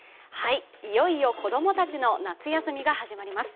いよいよ子供たちの夏休みが始まります。